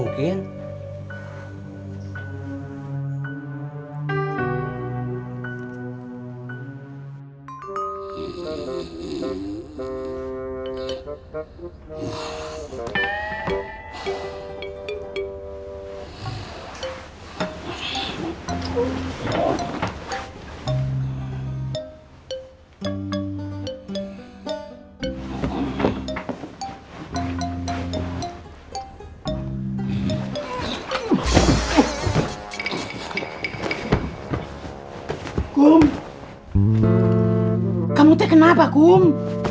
kamu itu kenapa kum